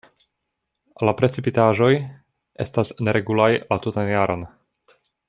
La precipitaĵoj estas neregulaj la tutan jaron.